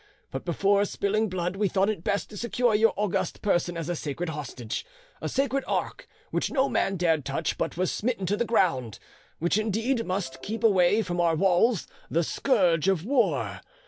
But before spilling blood we thought it best to secure your august person as a sacred hostage, a sacred ark which no man dared touch but was smitten to the ground, which indeed must keep away from our walls the scourge of war.